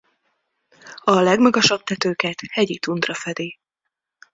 A legmagasabb tetőket hegyi tundra fedi.